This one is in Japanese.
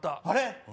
あれ？